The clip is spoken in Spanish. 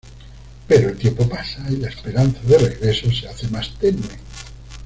Pero el tiempo pasa y la esperanza del regreso se hace más tenue...